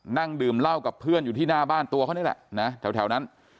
นั่งดื่มเหล้ากับเพื่อนอยู่ที่หน้าบ้านตัวเขานี่แหละนะแถวนั้น